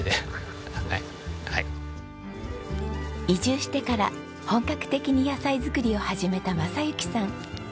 移住してから本格的に野菜作りを始めた正行さん。